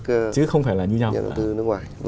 những doanh nghiệp không phải là như nhau